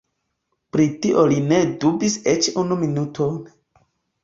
Pri tio li ne dubis eĉ unu minuton.